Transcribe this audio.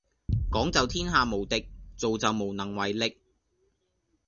講就天下無敵，做就無能為力